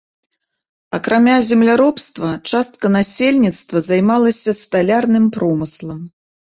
Акрамя земляробства частка насельніцтва займалася сталярным промыслам.